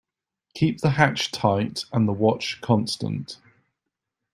Keep the hatch tight and the watch constant.